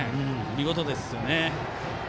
見事ですよね。